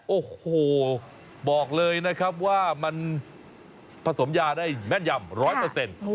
โอ้โหบอกเลยนะครับว่ามันผสมยาได้แม่นยำร้อยเปอร์เซ็นต์